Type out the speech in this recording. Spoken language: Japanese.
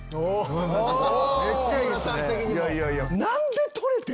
杉浦さん的にも。